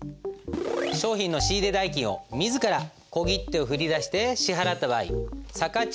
商品の仕入れ代金を自ら小切手を振り出して支払った場合さかっ